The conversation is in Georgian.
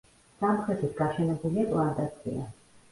სამხრეთით გაშენებულია პლანტაცია.